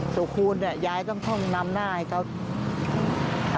ส่วนคุณยายต้องค่อยนำหน้าให้เขาอ่านค่ะ